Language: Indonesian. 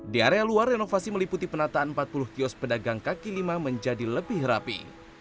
di area luar renovasi meliputi penataan empat puluh kios pedagang kaki lima menjadi lebih rapi